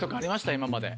今まで。